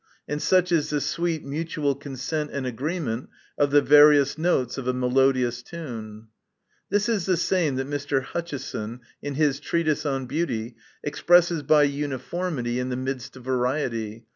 And such is the sweet mutual consent and agreement of the various notes of a melodious tune. This is the same that Mr. Hutcheson, in his treatise on beauty, expresses by uniformity in the midst of variety.